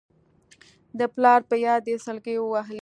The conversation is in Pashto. د پلار په ياد يې سلګۍ ووهلې.